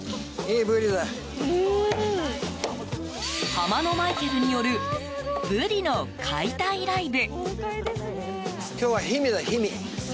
ハマのマイケルによるブリの解体ライブ。